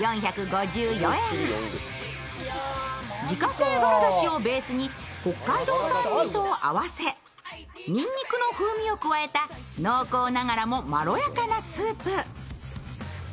自家製ガラだしをベースに北海道産味噌を合わせにんにくの風味を加えた濃厚ながらも、まろやかなスープ。